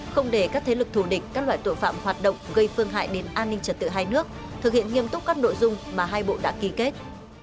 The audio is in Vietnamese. không để các thế lực thù địch các loại tội phạm hoạt động gây phương hại đến an ninh trật tự hai nước thực hiện nghiêm túc các nội dung mà hai bộ đã ký kết